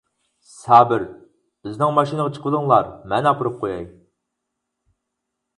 سابىر:-بىزنىڭ ماشىنىغا چىقىۋېلىڭلار، مەن ئاپىرىپ قوياي.